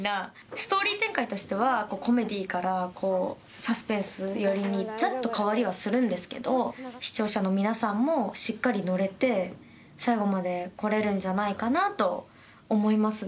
ストーリー展開としてはコメディーからサスペンス寄りにザッと変わりはするんですけど視聴者の皆さんもしっかり乗れて最後まで来れるんじゃないかなと思いますね。